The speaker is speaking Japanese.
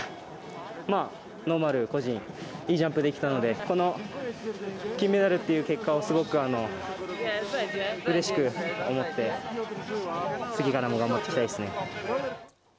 ノーマル個人いいジャンプができたのでこの金メダルという結果をすごくうれしく思って次からも頑張っていきたいですね。